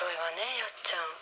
やっちゃん。